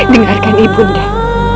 dengarkan ibu nang